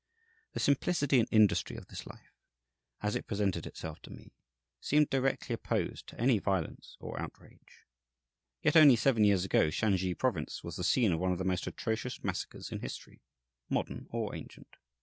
The simplicity and industry of this life, as it presented itself to me, seemed directly opposed to any violence or outrage. Yet only seven years ago Shansi Province was the scene of one of the most atrocious massacres in history, modern or ancient.